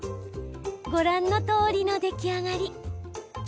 ご覧のとおりの出来上がり。